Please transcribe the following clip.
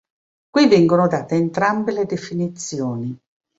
Qui vengono date entrambe le definizioni.